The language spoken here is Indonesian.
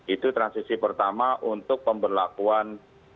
itu transisi pertama untuk pemberlakuan